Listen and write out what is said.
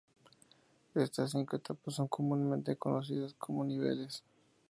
Estas cinco etapas son comúnmente conocidas como "niveles".